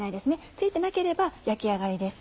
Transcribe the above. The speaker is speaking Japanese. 付いてなければ焼き上がりです。